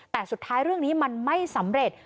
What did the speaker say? แต่สุดท้ายเรื่องนี้มันไม่สำเร็จ